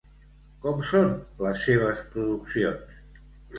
Com són les seves produccions?